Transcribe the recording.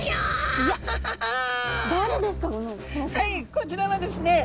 こちらはですね